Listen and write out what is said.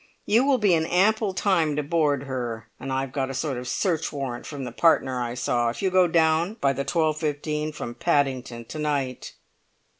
You will be in ample time to board her—and I've got a sort of search warrant from the partner I saw—if you go down by the 12.15 from Paddington to night."